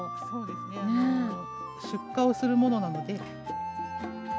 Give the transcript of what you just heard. そうですね、出荷をするものなので。